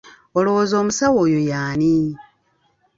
Olowooza omusawo oyo ye ani?